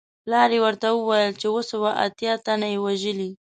پلار یې ورته وویل چې اووه سوه اتیا تنه یې وژلي.